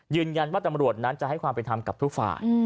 ยืนยันว่าตำรวจนั้นจะให้ความเป็นธรรมกับทุกฝ่าย